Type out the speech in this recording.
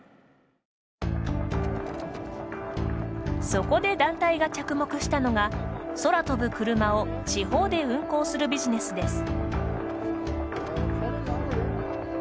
そこで団体が着目したのが空飛ぶクルマを地方で運航するビジネスです。